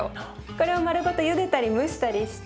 これを丸ごとゆでたり蒸したりして。